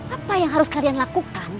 apa yang harus kalian lakukan